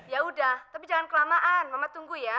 ya udah tapi jangan kelamaan mama tunggu ya